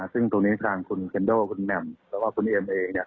ซึ่งตรงนี้ทางคุณเคนโดคุณแหม่มแล้วก็คุณเอ็มเอง